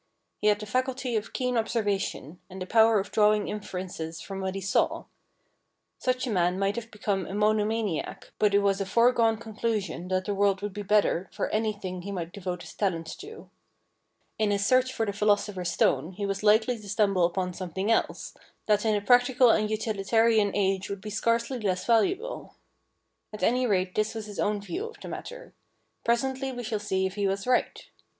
He had the faculty of keen observation, and the power of drawing inferences from what he saw. Such a man might become a mono maniac, but it was a foregone conclusion that the world would be the better for anything he might devote his talents to. In his search for the philosopher's stone he was likely to stumble upon something else, that in a practical and utilitarian age would be scarcely less valuable. At any rate this was his own view of the matter. Presently we shall see if he was right.